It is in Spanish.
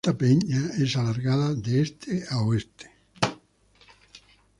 Esta peña es alargada de este a oeste.